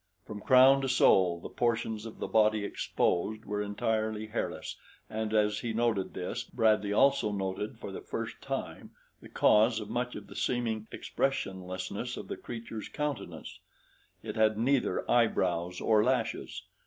From crown to sole the portions of the body exposed were entirely hairless, and as he noted this, Bradley also noted for the first time the cause of much of the seeming expressionlessness of the creature's countenance it had neither eye brows or lashes.